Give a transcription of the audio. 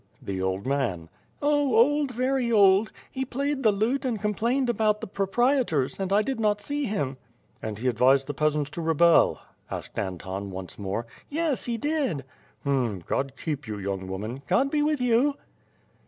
"The old man." "Oh, old, very old. He played the lute and complained about the proprietors, but I did not see him." "And he advised the peasants to rebel," asked Anton once more. "Yes, he did." "Hm! God' keep you young woman." "God be with you."